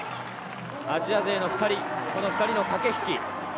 アジア勢の２人の駆け引き。